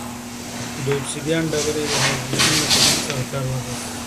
د اوبسیدیان ډبرې د هایدرېشن له تکتیک څخه کار واخیست.